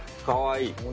かわいい。